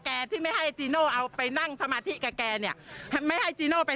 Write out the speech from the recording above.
ก็ที่แถจะเข้าใจได้อย่างไร